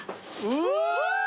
うわ！